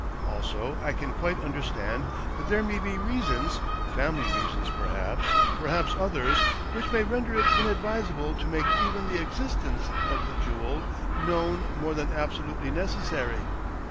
Also I can quite under stand that there may be reasons — family reasons perhaps, perhaps others — which may render it inadvisable to make even the existence of the CASE OF THE ''MIRROR OF PORTUGAL'' 119 jewel known more than absolutely necessary.